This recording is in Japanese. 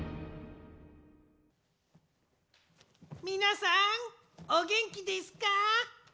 みなさんおげんきですか？